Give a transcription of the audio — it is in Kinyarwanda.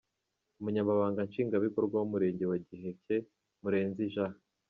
Umunyamabanga nshingwabikorwa w’umurenge wa Giheke, Murenzi J.